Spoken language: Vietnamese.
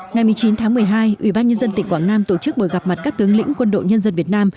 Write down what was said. ngày một mươi chín tháng một mươi hai ủy ban nhân dân tỉnh quảng nam tổ chức buổi gặp mặt các tướng lĩnh quân đội nhân dân việt nam